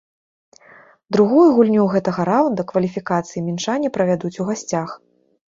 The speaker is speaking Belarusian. Другую гульню гэтага раунда кваліфікацыі мінчане правядуць у гасцях.